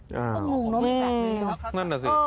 ว้าวหนูเนอะนั่นดังสิ